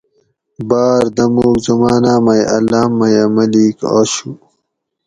باۤر دموگ زماناۤ مئ اۤ لاۤم مئ اۤ ملیک آشو